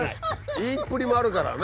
言いっぷりもあるからね。